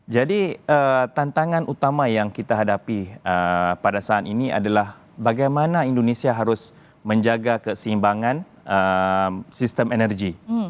jadi tantangan utama yang kita hadapi pada saat ini adalah bagaimana indonesia harus menjaga keseimbangan sistem energi